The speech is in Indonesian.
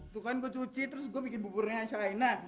tuh kan gue cuci terus gue bikin buburnya shayna